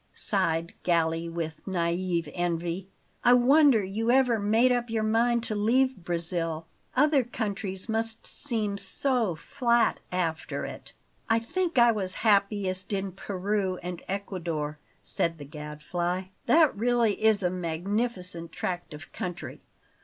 sighed Galli with naive envy. "I wonder you ever made up your mind to leave Brazil. Other countries must seem so flat after it!" "I think I was happiest in Peru and Ecuador," said the Gadfly. "That really is a magnificent tract of country.